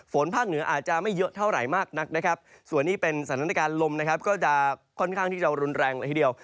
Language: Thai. ภาคเหนืออาจจะไม่เยอะเท่าไหร่มากนักนะครับส่วนนี้เป็นสถานการณ์ลมนะครับก็จะค่อนข้างที่จะรุนแรงละทีเดียว